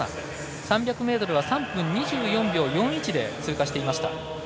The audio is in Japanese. ３００は３分２１秒４１で通過していました。